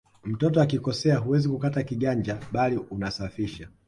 Mtoto akikosea huwezi kukata kiganja bali unasafisha